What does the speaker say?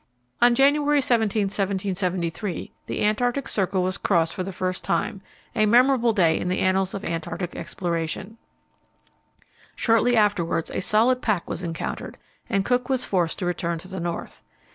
On January 17, 1773, the Antarctic Circle was crossed for the first time a memorable day in the annals of Antarctic exploration. Shortly afterwards a solid pack was encountered, and Cook was forced to return to the north.